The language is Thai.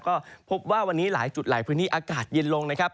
ก็พบว่าวันนี้หลายจุดหลายพื้นที่อากาศเย็นลงนะครับ